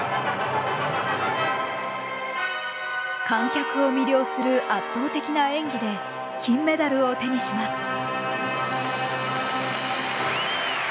観客を魅了する圧倒的な演技で金メダルを手にします。